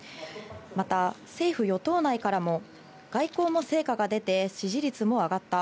また政府・与党内からも外交も成果が出て、支持率も上がった。